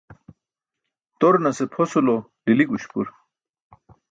Turanase pʰosulo lili guśpur.